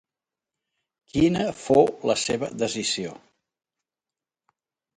Quina fou la seva decisió?